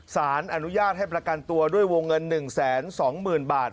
สารอนุญาตให้ประกันตัวด้วยวงเงิน๑๒๐๐๐บาท